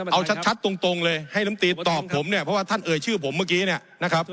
เอาชัดตรงเลยให้ลำตีตอบผมเนี่ยเพราะว่าท่านเอ่ยชื่อผมเมื่อกี้เนี่ยนะครับ